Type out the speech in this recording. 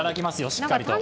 しっかりと。